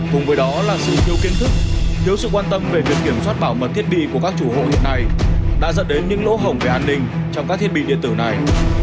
cùng với đó là sự thiếu kiến thức thiếu sự quan tâm về việc kiểm soát bảo mật thiết bị của các chủ hộ hiện nay đã dẫn đến những lỗ hồng về an ninh trong các thiết bị điện tử này